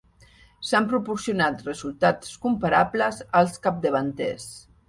S'han proporcionat resultats comparables als capdavanters.